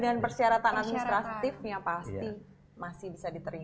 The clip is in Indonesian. dengan persyaratan administratifnya pasti masih bisa diterima